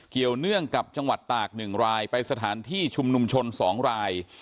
เกี่ยวเนื่องกับจังหวัดตากหนึ่งรายไปสถานที่ชุมนุมชนสองราย